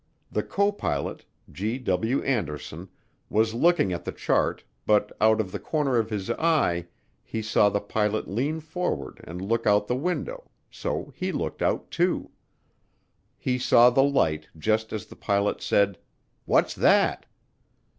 The copilot, G. W. Anderson, was looking at the chart but out of the corner of his eye he saw the pilot lean forward and look out the window, so he looked out too. He saw the light just as the pilot said, "What's that?"